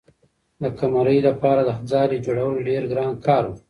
د قمرۍ لپاره د ځالۍ جوړول ډېر ګران کار و.